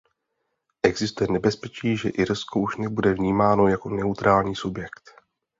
Existuje nebezpečí, že Irsko už nebude vnímáno jako neutrální subjekt.